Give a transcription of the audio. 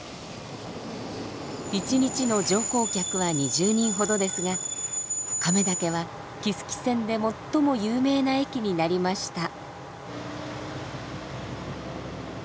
一日の乗降客は２０人ほどですが亀嵩は木次線で最も有名な駅になりました。